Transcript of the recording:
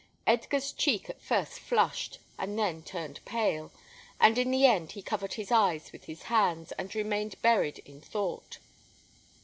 Edgar's check at first flushed, and then turned pale, and in the end, he covered his eyes with his hands, and remained buried in thought.